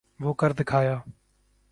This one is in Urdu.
وہ کر دکھایا۔